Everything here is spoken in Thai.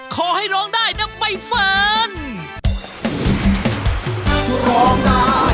ขอให้ร้องได้นะใบเฟิร์น